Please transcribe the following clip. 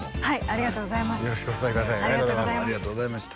ありがとうございます